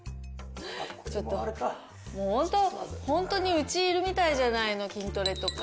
ちょっともうホントホントにうちにいるみたいじゃないの筋トレとか。